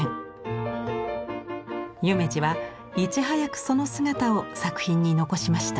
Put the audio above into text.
夢二はいち早くその姿を作品に残しました。